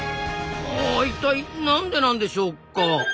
あ一体何でなんでしょうか？